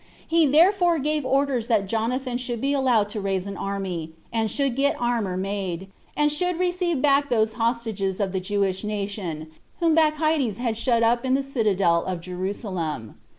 He therefore gave orders that Jonathan should be allowed to raise an army, and should get armor made, and should receive back those hostages of the Jewish nation whom Baechides had shut up in the citadel of Jerusalem.